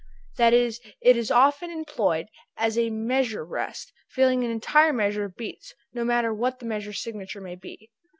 that it is often employed as a measure rest, filling an entire measure of beats, no matter what the measure signature may be.